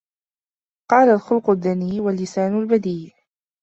قَالَ الْخُلُقُ الدَّنِيُّ وَاللِّسَانُ الْبَذِيُّ